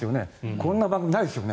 こんな番組ないですよね。